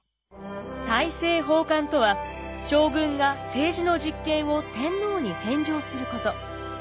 大政奉還とは将軍が政治の実権を天皇に返上すること。